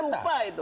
jangan lupa itu